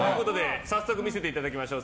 早速見せていただきましょう。